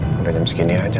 sekarang sudah jam segini saja